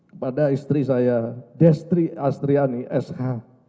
kepada istri saya destri astriani sh